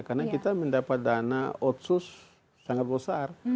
karena kita mendapat dana otsus sangat besar